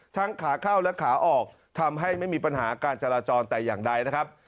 ขาเข้าและขาออกทำให้ไม่มีปัญหาการจราจรแต่อย่างใดนะครับ